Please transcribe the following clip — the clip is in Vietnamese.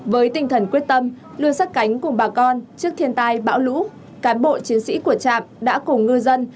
với tinh thần quyết tâm luôn sát cánh cùng bà con trước thiên tai bão lũ cán bộ chiến sĩ của trạm đã cùng ngư dân